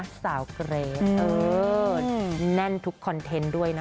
สาวเกรทแน่นทุกคอนเทนต์ด้วยนะ